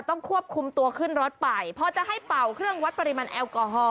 ต้องควบคุมตัวขึ้นรถไปเพราะจะให้เป่าเครื่องวัดปริมาณแอลกอฮอล